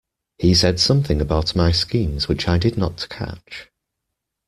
He said something about my schemes which I did not catch.